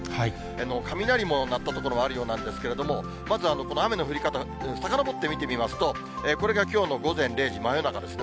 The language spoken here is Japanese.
雷も鳴った所もあるようなんですけれども、まずこの雨の降り方、さかのぼって見てみますと、これがきょうの午前０時、真夜中ですね。